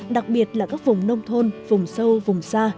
đặc biệt là các vùng nông thôn vùng sâu vùng xa